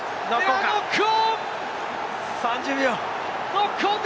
ノックオン！